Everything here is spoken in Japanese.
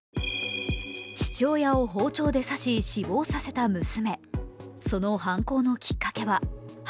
父親を包丁で刺し死亡させた娘。